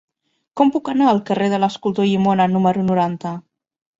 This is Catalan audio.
Com puc anar al carrer de l'Escultor Llimona número noranta?